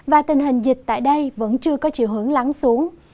và tình hình dịch tại đây vẫn chưa có chiều hướng lắng xuống